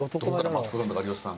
マツコさんとか有吉さん。